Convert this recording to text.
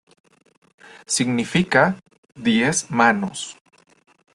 Significa "diez manos".